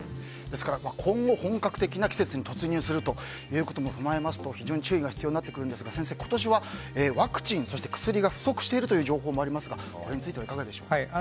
今後、本格的な季節に突入するということも踏まえますと非常に注意が必要になってくるんですが先生、今年はワクチン、そして薬が不足しているという情報もありますがこれについてはいかがでしょうか。